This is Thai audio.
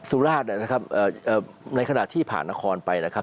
สุราชในขณะที่ผ่านนครไปนะครับ